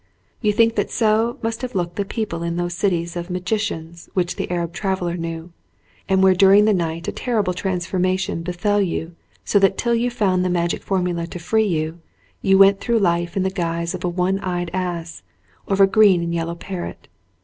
You think that so must have looked the people in those cities of magicians which the Arab traveller knew, and where during the night a terrible transformation befell you so that till you found the magic formula to free you, you went through life in the guise of a one eyed ass or of a green and yellow parrot.